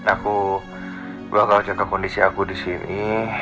aku bakal jaga kondisi aku di sini